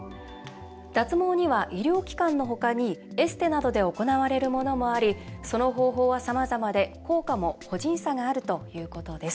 脱毛には医療機関の他にエステなどで行われるものもありその方法は、さまざまで効果も個人差があるということです。